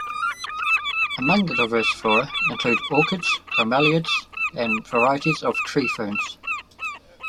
Among the diverse flora include orchids, bromeliads and varieties of tree ferns.